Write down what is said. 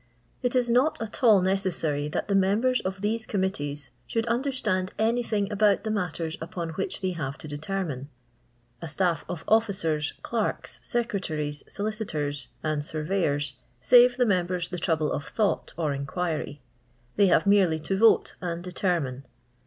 It is not at all necessary that the members of these committees should understand anything about the matters upon which they have to determine. A staff of officers, clerks, secretaries, aoHcitors, and ia«> veyors, save the members the trouble of thought or inquiry ; they have merely to vote and determine.